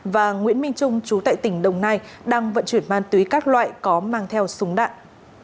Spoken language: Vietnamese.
và nguyễn minh trung chú tại tỉnh đồng nai đang vận chuyển ma túy các loại có mang theo súng đạn